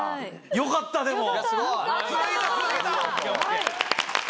よかったでも！